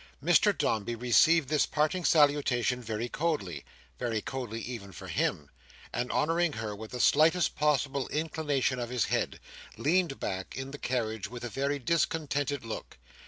Mr Dombey received this parting salutation very coldly—very coldly even for him—and honouring her with the slightest possible inclination of his head, leaned back in the carriage with a very discontented look.